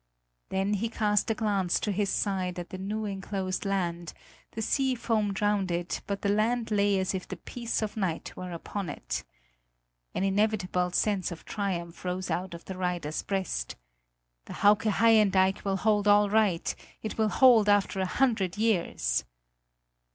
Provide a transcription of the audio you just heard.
Then he cast a glance to his side at the new enclosed land; the sea foamed round it, but the land lay as if the peace of night were upon it. An inevitable sense of triumph rose out of the rider's breast. "The Hauke Haien dike will hold all right, it will hold after a hundred years!"